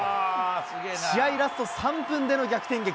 試合ラスト３分での逆転劇。